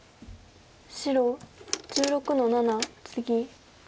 白１６の七ツギ。